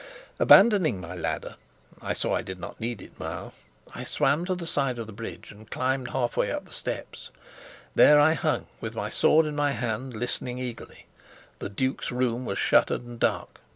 Abandoning my ladder I saw I did not need it now I swam to the side of the bridge and climbed half way up the steps. There I hung with my sword in my hand, listening eagerly. The duke's room was shuttered and dark.